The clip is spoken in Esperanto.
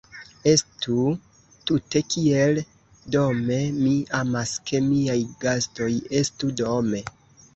Estu tute kiel dome; mi amas, ke miaj gastoj estu dome!